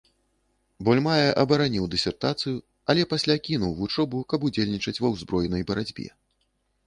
Булмае абараніў дысертацыю, але пасля кінуў вучобу, каб удзельнічаць ва ўзброенай барацьбе.